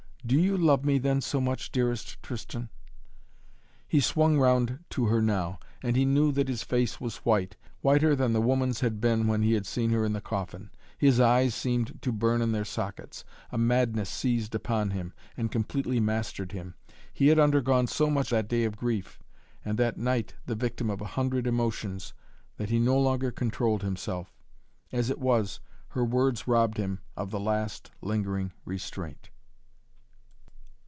"Do you love me then so much, dearest Tristan?" He swung round to her now, and he knew that his face was white, whiter than the woman's had been when he had seen her in the coffin. His eyes seemed to burn in their sockets. A madness seized upon him and completely mastered him. He had undergone so much that day of grief, and that night the victim of a hundred emotions, that he no longer controlled himself. As it was, her words robbed him of the last lingering restraint.